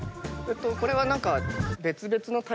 これは何か。